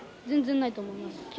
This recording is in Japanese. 全然ないと思います